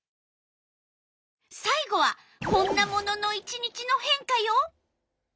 さい後はこんなものの１日の変化よ！